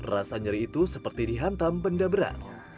rasa nyeri itu seperti dihantam benda berat